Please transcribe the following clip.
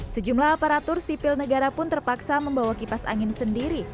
sejumlah aparatur sipil negara pun terpaksa membawa kipas angin sendiri